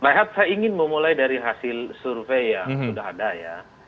rehat saya ingin memulai dari hasil survei yang sudah ada ya